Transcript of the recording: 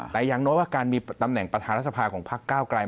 แต่อย่างน้อยว่าการมีตำแหน่งประธานรัฐสภาของพักเก้าไกล